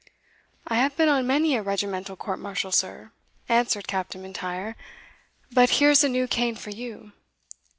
"I have been on many a regimental court martial, sir," answered Captain M'Intyre. "But here's a new cane for you."